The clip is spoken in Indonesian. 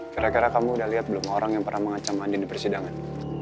kira kira kamu udah lihat belum orang yang pernah mengancam mandi di persidangan